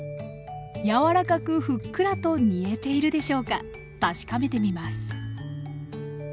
柔らかくふっくらと煮えているでしょうか確かめてみます